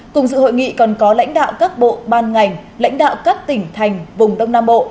cùng sự hội nghị còn có lãnh đạo các bộ ban ngành lãnh đạo các tỉnh thành vùng đông nam bộ